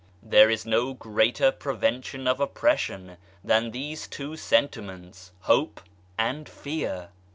There is no greater prevention of oppression than these two sentiments, hope and fear.